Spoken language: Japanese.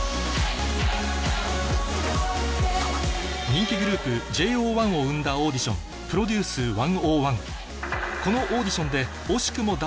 人気グループＪＯ１を生んだオーディションこのオーディションで惜しくも・お！